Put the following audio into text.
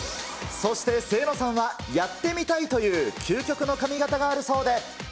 そして清野さんは、やってみたいという究極の髪形があるそうで。